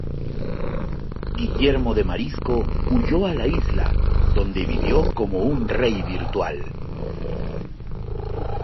Guillermo de Marisco huyó a la isla, donde vivió como un rey virtual.